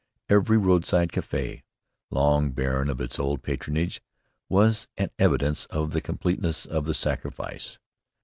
Every roadside café, long barren of its old patronage, was an evidence of the completeness of the sacrifice.